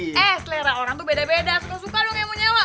eh selera orang tuh beda beda suka suka dong yang mau nyawa